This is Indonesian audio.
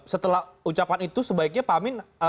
setelah ucapan itu sebaiknya pak amin